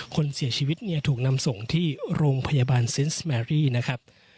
คนเสียชีวิตเนี่ยถูกนำส่งที่โรงพยาบาลนะครับ